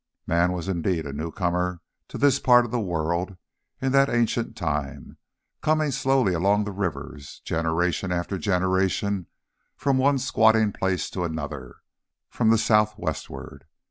Man was indeed a newcomer to this part of the world in that ancient time, coming slowly along the rivers, generation after generation, from one squatting place to another, from the south westward.